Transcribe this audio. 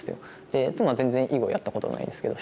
で妻全然囲碁やったことないんですけど。